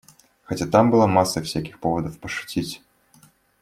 Хотя там была масса всяких поводов пошутить.